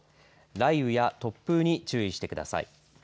雷雨や突風に注意してください。